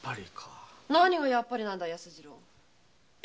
何が「やっぱり」なんだい？